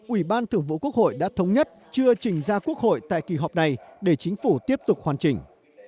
ủy ban thường vụ quốc hội đã thống nhất chưa trình ra quốc hội tại kỳ họp này để chính phủ tiếp tục hoàn chỉnh